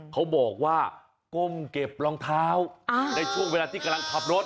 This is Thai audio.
เขาบอกว่าก้มเก็บรองเท้าในช่วงเวลาที่กำลังขับรถ